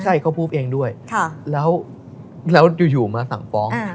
ใช่เขาพูดเองด้วยแล้วอยู่มาสั่งฟ้อง